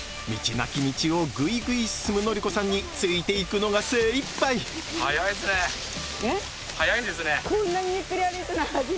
なき道をグイグイ進むのり子さんについて行くのが精いっぱいえ⁉